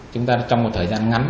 chúng ta trong một thời gian ngắn